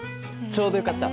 ちょうどよかった。